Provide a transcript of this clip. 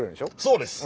そうです。